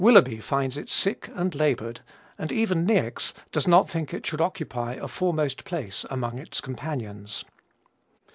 Willeby finds it "sickly and labored," and even Niecks does not think it should occupy a foremost place among its companions.